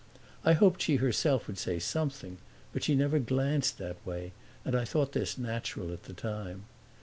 I hoped she herself would say something, but she never glanced that way, and I thought this natural at the time.